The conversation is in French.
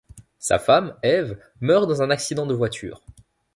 Sa femme Ève meurt dans un accident de voiture.